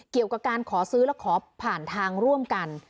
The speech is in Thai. เกี่ยวกับการขอซื้อและขอผ่านทางร่วมกัน